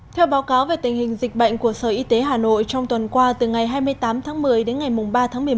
theo báo cáo về tình hình dịch bệnh của sở y tế hà nội trong tuần qua từ ngày hai mươi tám tháng một mươi đến ngày ba tháng một mươi một